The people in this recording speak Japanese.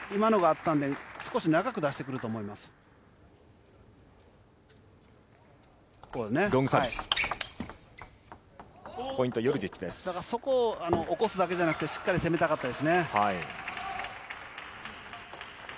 だからそこをおこすだけじゃなくて、しっかり攻めたかったですね。